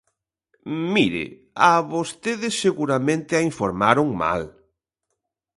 Mire, a vostede seguramente a informaron mal.